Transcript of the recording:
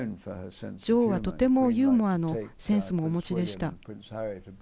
女王はとてもユーモアのセンスもお持ちでした。